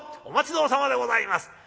お待ち遠さまでございます」。